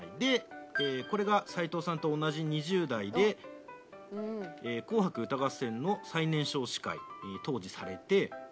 これが齊藤さんと同じ２０代で『紅白歌合戦』の最年少司会当時されて。